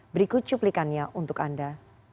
berikut cuplikannya untuk anda